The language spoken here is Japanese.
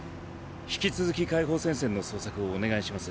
引き続き解放戦線の捜索をお願いします。